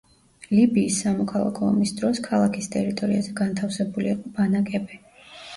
ლიბიის სამოქალაქო ომის დროს ქალაქის ტერიტორიაზე განთავსებული იყო ბანაკები.